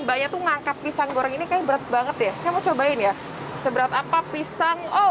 banyak tuh ngangkat pisang goreng ini kayak berat banget ya saya mau cobain ya seberat apa pisang oh